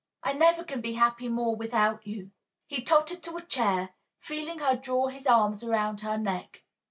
I never can be happy more without you." He tottered to a chair, feeling her draw his arms around her neck.